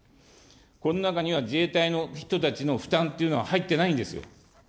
この中には自衛隊の人たちの負担というのは入ってないんですよ。